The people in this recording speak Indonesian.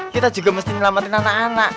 kita juga mesti menyelamatkan anak anak